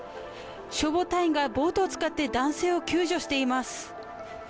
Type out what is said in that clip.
消防隊員がボートを使って男性を救助しています。